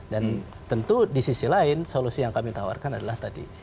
dan tentu di sisi lain solusi yang kami tawarkan adalah tadi